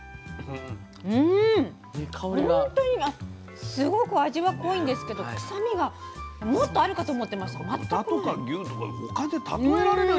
うんほんとにすごく味は濃いんですけどくさみがもっとあるかと思ってましたけど全くない。